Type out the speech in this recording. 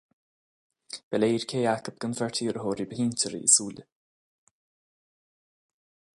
Ba léir cé acu den bheirt iarrthóirí ba shinsearaí i súile.